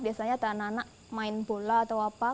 biasanya anak anak main bola atau apa